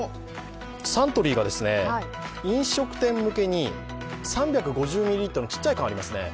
サントリーが飲食店向けに３５０ミリリットルのちっちゃい缶ありますね